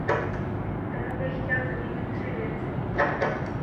K tomu bych chtěl zmínit tři věci.